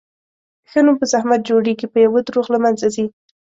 ښه نوم په زحمت جوړېږي، په یوه دروغ له منځه ځي.